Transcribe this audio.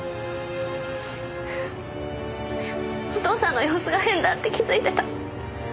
お父さんの様子が変だって気づいてた。